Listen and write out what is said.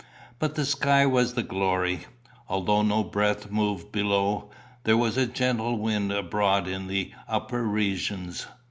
But the sky was the glory. Although no breath moved below, there was a gentle wind abroad in the upper regions.